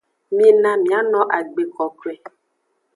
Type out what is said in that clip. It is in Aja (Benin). Mina miano agbe kokoe.